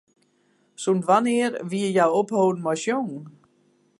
Sûnt wannear wie hja opholden mei sjongen?